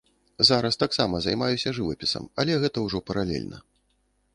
Зараз таксама займаюся жывапісам, але гэта ўжо паралельна.